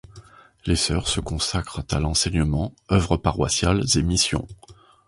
Les sœurs se consacrent à l'enseignement, œuvres paroissiales et missions.